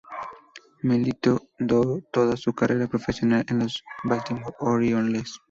Militó toda su carrera profesional en los Baltimore Orioles.